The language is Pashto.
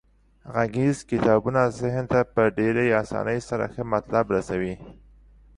غږیز کتابونه ذهن ته په ډیرې اسانۍ سره ښه مطلب رسوي.